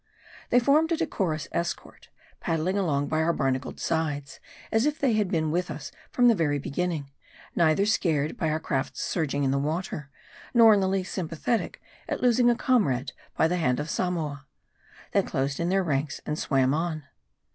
178 M A R D I. They Sbrmed a decorous escort ; paddling along by our barnacled sides, as if they had been with us from the very beginning ; neither scared by our craft's surging in the water ; nor in the least sympathetic at losing a comrade by the hand of Samoa. They closed in their ranks and swam on.